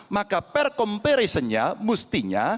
maka per comparisonnya mustinya